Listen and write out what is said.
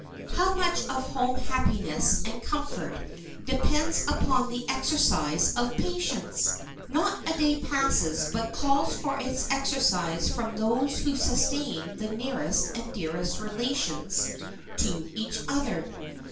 How much of home happiness and comfort depends upon the exercise of patience! Not a day passes but calls for its exercise from those who sustain the nearest and dearest relations to each other.